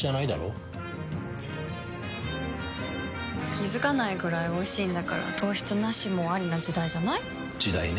気付かないくらいおいしいんだから糖質ナシもアリな時代じゃない？時代ね。